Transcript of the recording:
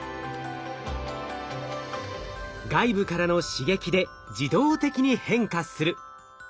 外部からの刺激で自動的に変化する。